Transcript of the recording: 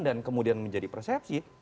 dan kemudian menjadi persepsi